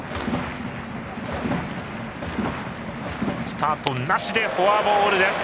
スタートなしでフォアボールです。